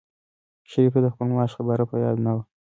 شریف ته د خپل معاش خبره په یاد نه وه.